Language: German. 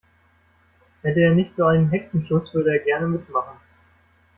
Hätte er nicht so einen Hexenschuss, würde er gerne mitmachen.